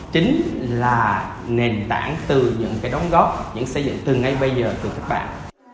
chính là nền tảng từ những cái đóng góp những xây dựng từ ngay bây giờ từ các bạn